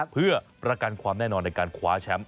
เพื่อประกันความแน่นอนในการคว้าแชมป์